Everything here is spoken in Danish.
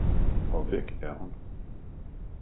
og væk er hun!